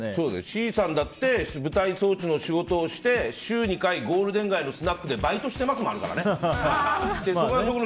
Ｃさんだって舞台装置の仕事をして週２回ゴールデン街のスナックでバイトしてますもあるからね。